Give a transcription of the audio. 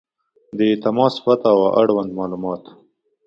• د تماس پته او اړوند معلومات